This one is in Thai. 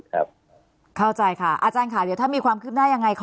เข้าใจค่ะอาจารย์ค่ะเดี๋ยวถ้ามีความคึ่มได้อย่างไร